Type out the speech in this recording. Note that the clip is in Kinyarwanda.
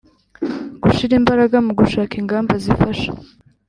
Gushyira imbaraga mu gushaka ingamba zifasha